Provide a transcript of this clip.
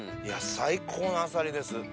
最高のあさりです。